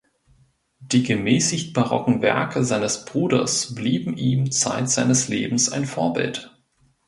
Die gemäßigt barocken Werke seines Bruders blieben ihm Zeit seines Lebens ein Vorbild.